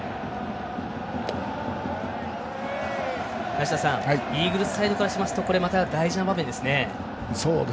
梨田さんイーグルスサイドからすると大事な場面ですね。